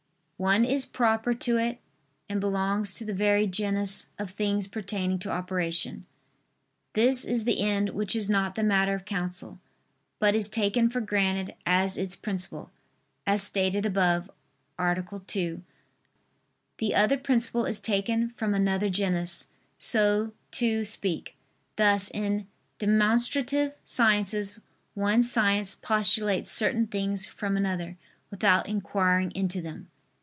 One is proper to it, and belongs to the very genus of things pertaining to operation: this is the end which is not the matter of counsel, but is taken for granted as its principle, as stated above (A. 2). The other principle is taken from another genus, so to speak; thus in demonstrative sciences one science postulates certain things from another, without inquiring into them.